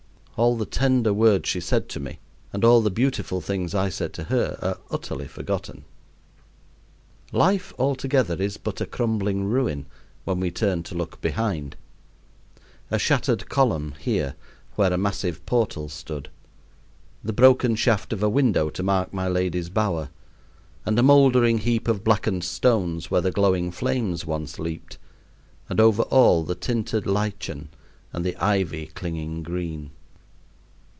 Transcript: All the tender words she said to me and all the beautiful things I said to her are utterly forgotten. Life altogether is but a crumbling ruin when we turn to look behind: a shattered column here, where a massive portal stood; the broken shaft of a window to mark my lady's bower; and a moldering heap of blackened stones where the glowing flames once leaped, and over all the tinted lichen and the ivy clinging green.